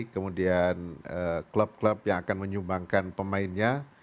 kemudian klub klub yang akan menyumbangkan pemainnya